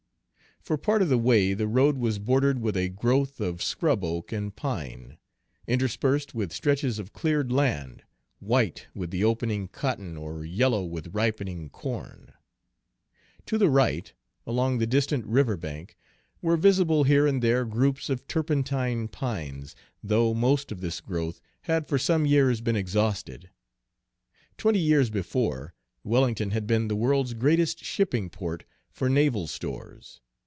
For part of the way the road was bordered with a growth of scrub oak and pine, interspersed with stretches of cleared land, white with the opening cotton or yellow with ripening corn. To the right, along the distant river bank, were visible here and there groups of turpentine pines, though most of this growth had for some years been exhausted. Twenty years before, Wellington had been the world's greatest shipping port for naval stores.